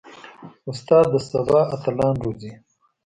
استاد د سبا اتلان روزي.